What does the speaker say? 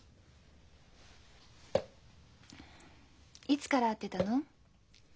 いつから会ってたの？